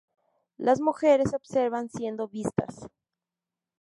Las mujeres se observan siendo vistas.